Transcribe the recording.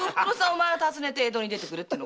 お前を訪ねて江戸に出てくるって？